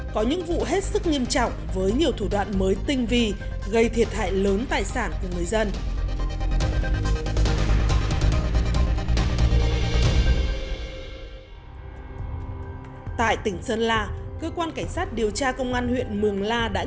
có những vụ hết sức nghiêm trọng với nhiều thủ đoạn mới tinh vi gây thiệt hại lớn tài sản của người dân